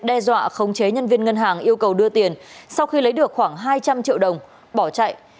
đe dọa khống chế nhân viên ngân hàng yêu cầu đưa tiền sau khi lấy được khoảng hai trăm linh triệu đồng bỏ chạy